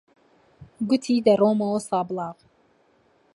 گوتی دەڕۆمەوە سابڵاغ.